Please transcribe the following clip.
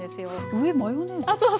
上、マヨネーズ。